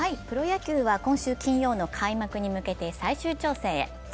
プロ野球は今週金曜の開幕に向けて最終調整へ。